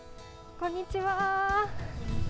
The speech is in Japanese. こんにちは。